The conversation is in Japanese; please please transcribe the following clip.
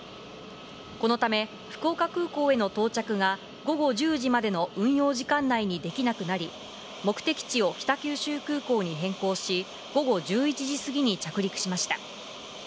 このため福岡空港への到着が午後１０時までの運用時間内にできなくなり、目的地を北九州空港に変更し、午後１１時過ぎに着陸しました。